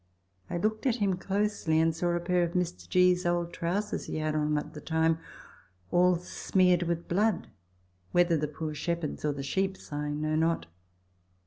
I looked at him closely, and I saw a pair of Mr. G.'s old trousers he had on at the time all smeared with blood, whether the poor shepherd's or the sheep's I know not.